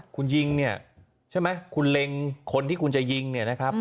คุณยิงเนี่ยใช่ไหมคุณเล็งคนที่คุณจะยิงเนี่ยนะครับ